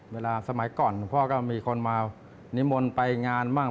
สมัยก่อนพ่อก็มีคนมานิมนต์ไปงานบ้าง